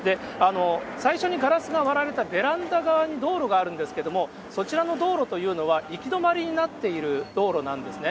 最初にガラスが割られたベランダ側に道路があるんですけれども、そちらの道路というのは行き止まりになっている道路なんですね。